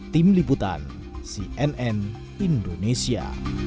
tim liputan cnn indonesia